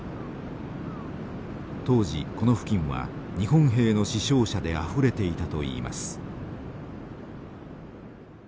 当時この付近は日本兵の死傷者であふれていたといいます。